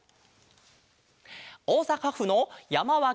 おおさかふのやまわき